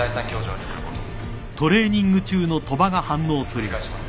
繰り返します。